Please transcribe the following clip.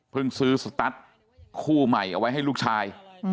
ซื้อสตัสคู่ใหม่เอาไว้ให้ลูกชาย